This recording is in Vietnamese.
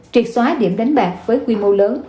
triệt xóa điểm đánh bạc với quy mô lớn